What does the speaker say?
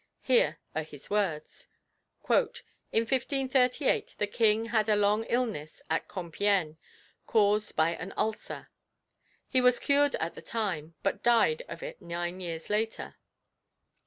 Here are his words: "In 1538 the King had a long illness at Compiègne, caused by an ulcer.... He was cured at the time, but died [of it?] nine years later.